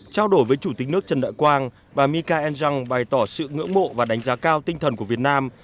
trao đổi với chủ tịch nước trần đại quang bà mika enjung bày tỏ sự ngưỡng mộ và đánh giá cao tinh thần của việt nam